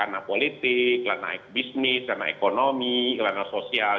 ranah politik ranah bisnis karena ekonomi ranah sosial